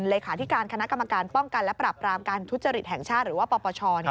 เลขาธิการคณะกรรมการป้องกันและปรับรามการทุจริตแห่งชาติหรือว่าปปช